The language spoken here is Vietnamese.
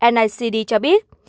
nicd cho biết